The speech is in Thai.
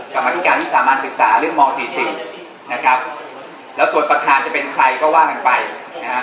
กรรมธิการวิสามันศึกษาเรื่องม๔๔นะครับแล้วส่วนประธานจะเป็นใครก็ว่ากันไปนะฮะ